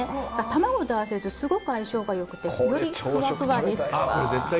卵と合わせるとすごく相性が良くてふわふわです。